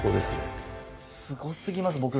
すご過ぎます